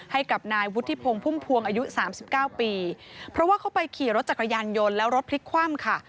ให้กับนายวุฒิพงศ์พุ่มพวงอายุสามสิบเก้าปีเพราะว่าเขาไปขี่รถจักรยานยนต์แล้วรถพลิกคว่ำค่ะ